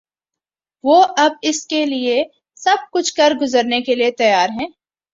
وہ اب اس کے لیے سب کچھ کر گزرنے کے لیے تیار ہیں۔